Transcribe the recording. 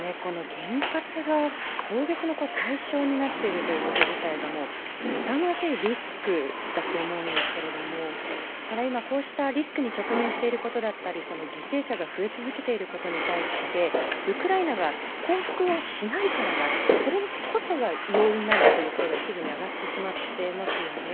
原発が砲撃の対象になっていること事態がすさまじいリスクだと思うんですけれどもこうしたリスクに直面していることだったり、犠牲者が増え続けていることに対して、ウクライナが降伏をしないからだ、それこそが要因なんだという声が一部に上ってしまっていますよね。